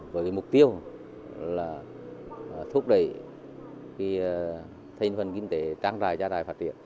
với mục tiêu là thúc đẩy cái thành phần kinh tế trang trải ra đài phát triển